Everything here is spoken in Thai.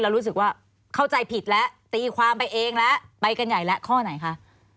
รู้สึกว่าเข้าใจผิดแล้วตีความไปเองแล้วไปกันใหญ่แล้วข้อไหนคะ